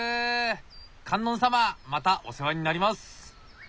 観音様またお世話になります。